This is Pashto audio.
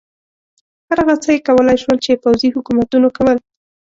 هر هغه څه یې کولای شول چې پوځي حکومتونو کول.